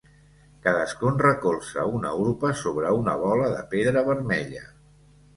Cadascun recolza una urpa sobre una bola de pedra vermella.